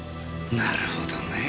なるほどねぇ。